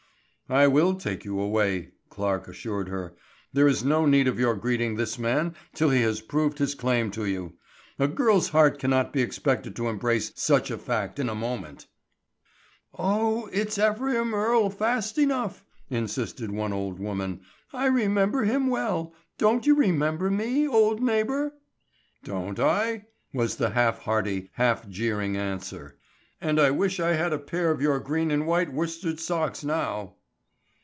"I will take you away," Clarke assured her. "There is no need of your greeting this man till he has proved his claim to you. A girl's heart cannot be expected to embrace such a fact in a moment." "Oh, it's Ephraim Earle fast enough," insisted one old woman. "I remember him well. Don't you remember me, old neighbor?" "Don't I?" was the half hearty, half jeering answer. "And I wish I had a pair of your green and white worsted socks now."